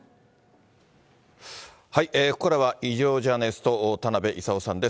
ここからは医療ジャーナリスト、田辺功さんです。